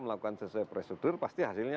melakukan sesuai prosedur pasti hasilnya